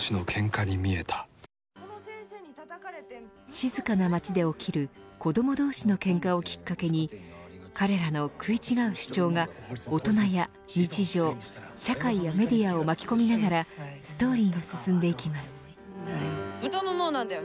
静かな町で起きる子ども同士のけんかをきっかけに彼らの食い違う主張が大人や日常、社会やメディアを巻き込みながらストーリーが進んでいきます。